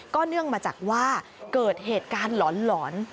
เนื่องมาจากว่าเกิดเหตุการณ์หลอน